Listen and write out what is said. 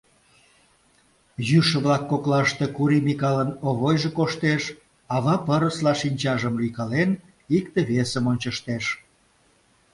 Йӱшӧ-влак коклаште Кури Микалын Овойжо коштеш, ава пырысла шинчажым лӱйкален, икте-весым ончыштеш.